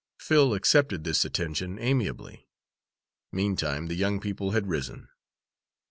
Phil accepted this attention amiably. Meantime the young people had risen.